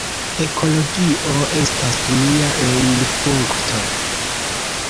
Ekologio estas nia elirpunkto.